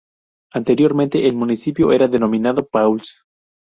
Anteriormente el municipio era denominado Pauls.